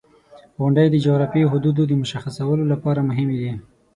• غونډۍ د جغرافیوي حدودو د مشخصولو لپاره مهمې دي.